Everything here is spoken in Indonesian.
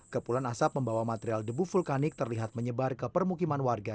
kepulan asap membawa material debu vulkanik terlihat menyebar ke permukiman warga